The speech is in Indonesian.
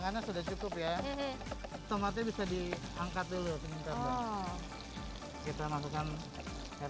airnya airnya margins supaya terlihat lebih " anti mungkin tidak enak nih yacusan presidential